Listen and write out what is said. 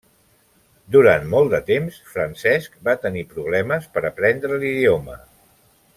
Durant molt de temps, Francesc va tenir problemes per aprendre l'idioma.